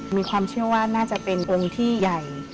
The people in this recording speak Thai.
มีความเชื่อว่าน่าจะเป็นองค์ที่ใหญ่